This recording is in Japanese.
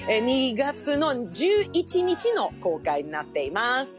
２月１１日の公開になっています。